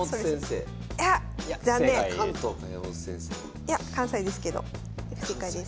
いや関西ですけど不正解です。